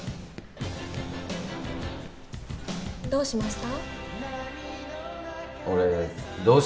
どうしました？